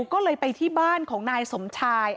ก็เลยไปที่บ้านของนายสมชาย